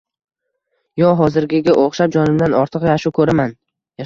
Yo hozirgiga o’xshab jonimdan ortiq yaxshi ko’raman.